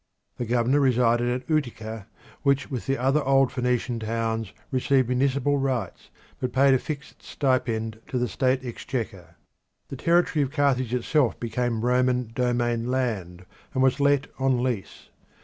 The governor resided at Utica, which with the other old Phoenician towns received municipal rights, but paid a fixed stipend to the state exchequer. The territory of Carthage itself became Roman domain land, and was let on lease.